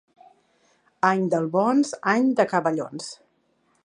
Any d'albons, any de cavallons.